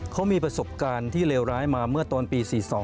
เขามีประสบการณ์ที่เลวร้ายมาเมื่อตอนปี๔๒